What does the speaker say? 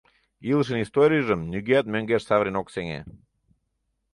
Илышын историйжым нигӧат мӧҥгеш савырен ок сеҥе.